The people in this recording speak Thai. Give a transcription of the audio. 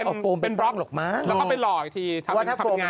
ก็ปว่าก็ไปหรอกมาแล้วก็ไปเหล่าอีกทีไม่